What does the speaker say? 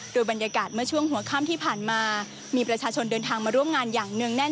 โดยบรรยากาศเมื่อช่วงหัวค่ำที่ผ่านมามีประชาชนเดินทางมาร่วมงานอย่างเนื่องแน่น